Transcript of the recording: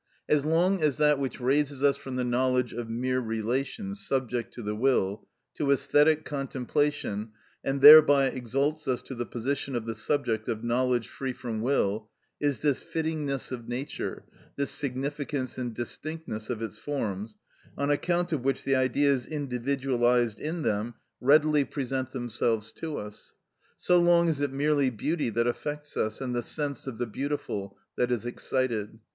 (51) As long as that which raises us from the knowledge of mere relations subject to the will, to æsthetic contemplation, and thereby exalts us to the position of the subject of knowledge free from will, is this fittingness of nature, this significance and distinctness of its forms, on account of which the Ideas individualised in them readily present themselves to us; so long is it merely beauty that affects us and the sense of the beautiful that is excited.